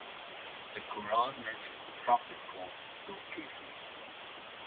The Qur'an mentions a prophet called Zul-Kifl.